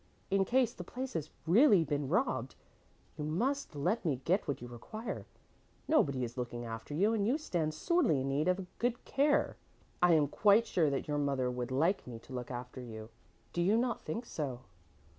In case the place has really been robbed, you must let me get what you require. Nobody is looking after you and you stand sorely in need of good care. I am quite sure that your mother would like me to look after you. Do you not think so?"